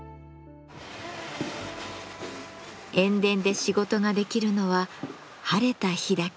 塩田で仕事ができるのは晴れた日だけ。